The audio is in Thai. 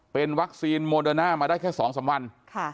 เป็นวัคซีนโมเดอร์น่ามาได้แค่สองสามวันค่ะ